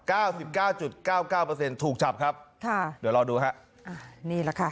เก้าสิบเก้าจุดเก้าเก้าเปอร์เซ็นต์ถูกจับครับค่ะเดี๋ยวรอดูฮะอ่านี่แหละค่ะ